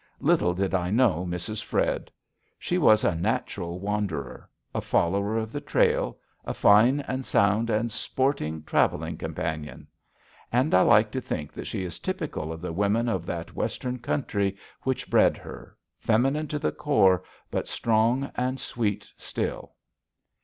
Little did I know Mrs. Fred. She was a natural wanderer, a follower of the trail, a fine and sound and sporting traveling companion. And I like to think that she is typical of the women of that Western country which bred her, feminine to the core, but strong and sweet still.